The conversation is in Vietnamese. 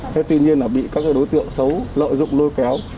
thế tuy nhiên là bị các đối tượng xấu lợi dụng lôi kéo